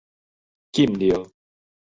禁尿